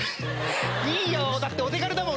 いいよだってお手軽だもん。